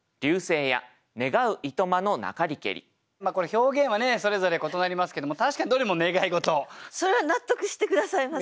表現はそれぞれ異なりますけども確かにそれは納得して下さいますか？